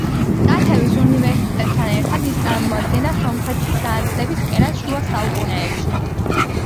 ტათევის უნივერსიტეტთან ერთად ის წარმოადგენდა სომხეთის განათლების კერას შუა საუკუნეებში.